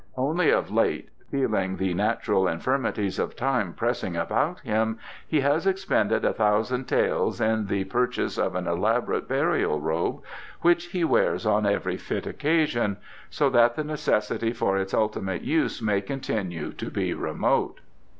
Only of late, feeling the natural infirmities of time pressing about him, he has expended a thousand taels in the purchase of an elaborate burial robe, which he wears on every fit occasion, so that the necessity for its ultimate use may continue to be remote."